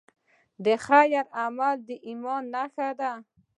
د خیر عمل د ایمان نښه ده.